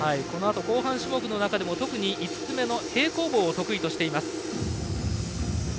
後半種目の中でも５つ目の平行棒を得意としてます。